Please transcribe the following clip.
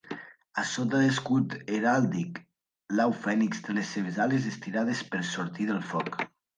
A sota de l"escut heràldic, l"au fènix té les seves ales estirades per sortir del foc.